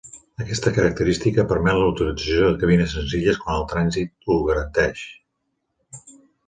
Aquesta característica permet l"utilització de cabines senzilles quan el transit ho garanteix.